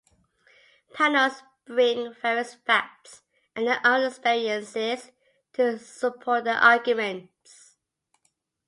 Panels bring various facts and their own experiences to support the arguments.